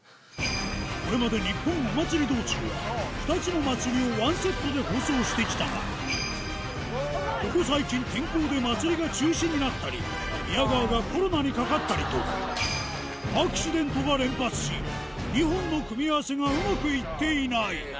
これまでニッポンお祭り道中は、２つの祭りをワンセットで放送してきたが、ここ最近、天候で祭りが中止になったり、宮川がコロナにかかったりと、アクシデントが連発し、２本の組み合わせがうまくいっていない。